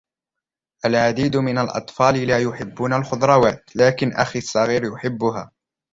العديد من الأطفال لا يُحبون الخضروات, لكن أخي الصغير يُحبُها.